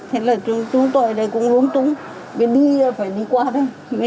thế là chúng tôi ở đây cũng lúng túng mới đi phải đi qua đây mới xuống dưới sân rồi